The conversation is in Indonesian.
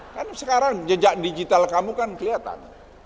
karena sekarang jejak digital kamu kan kelihatan